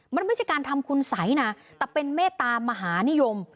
มันไม่ใช่การทำคุณสัยนะแต่เป็นเมตตามหานิยม